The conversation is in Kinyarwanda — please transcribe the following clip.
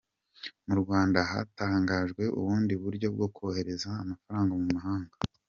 Murwanda hatangajwe ubundi buryo bwo kohereza amafaranga mumahanga